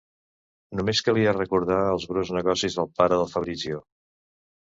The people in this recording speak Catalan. Només calia recordar els bruts negocis del pare del Fabrizio...